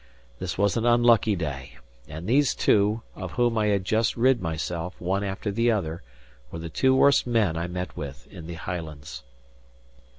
This was an unlucky day; and these two, of whom I had just rid myself, one after the other, were the two worst men I met with in the Highlands.